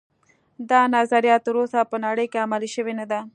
دا نظریه تر اوسه په نړۍ کې عملي شوې نه ده